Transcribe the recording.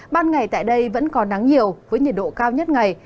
ban ngày tại đây vẫn còn nắng nhiều với nhiệt độ cao nhất ngày